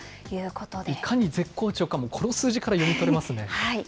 いかに絶好調か、この数字から読み取れますね。